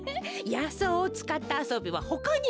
やそうをつかったあそびはほかにもあるのよ。